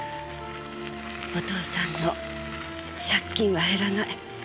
お父さんの借金は減らない。